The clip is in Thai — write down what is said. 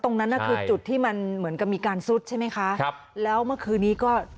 ตรงนั้นน่ะคือจุดที่มันเหมือนกับมีการซุดใช่ไหมคะครับแล้วเมื่อคืนนี้ก็